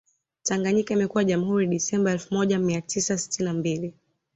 tanganyika imekuwa jamhuri disemba elfu moja mia tisa sitini na mbili